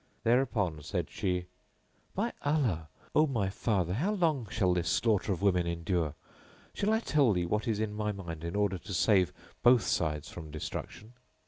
Thereupon said she, "By Allah, O my father, how long shall this slaughter of women endure? Shall I tell thee what is in my mind in order to save both sides from destruction?"